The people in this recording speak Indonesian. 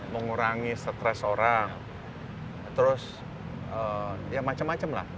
mengurangi stres orang terus ya macam macam lah